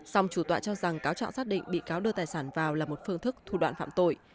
song chủ tọa cho rằng cáo trạng xác định bị cáo đưa tài sản vào là một phương thức thủ đoạn phạm tội